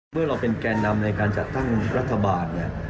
เมื่อเราเป็นแก่นำในการจัดตั้งรัฐบาลเนี่ย